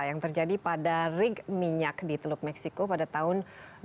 yang terjadi pada ring minyak di teluk meksiko pada tahun dua ribu